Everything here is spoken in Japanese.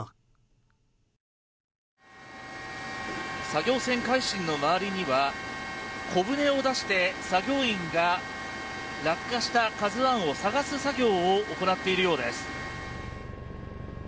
作業船「海進」の周りには小舟を出して作業員が落下した「ＫＡＺＵ１」を探す作業を行っているようです。